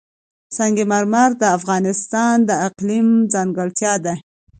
سنگ مرمر د افغانستان د اقلیم ځانګړتیا ده.